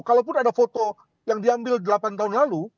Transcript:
kalaupun ada foto yang diambil delapan tahun lalu